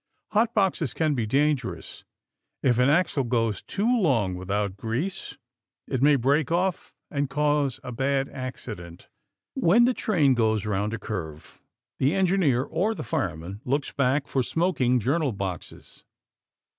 Hot boxes can be dangerous. If an axle goes too long without grease, it may break off and cause a bad accident. When the train goes around a curve, the engineer or the fireman looks back for smoking journal boxes.